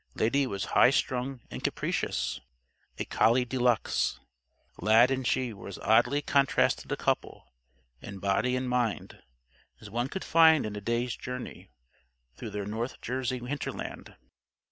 Lady was high strung and capricious; a collie de luxe. Lad and she were as oddly contrasted a couple, in body and mind, as one could find in a day's journey through their North Jersey hinterland.